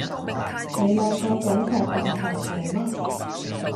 你兩個鬼殺咁嘈做乜